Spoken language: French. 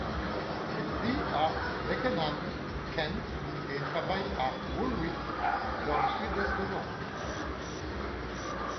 Elle vit à Beckenham, Kent et travaille à Woolwich, dans le sud-est de Londres.